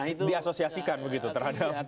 di asosiasikan begitu terhadap pemerintah